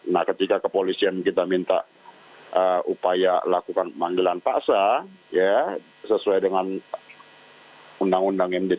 nah ketika kepolisian kita minta upaya lakukan pemanggilan paksa ya sesuai dengan undang undang md tiga